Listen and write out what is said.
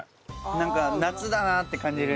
なんか夏だなって感じる。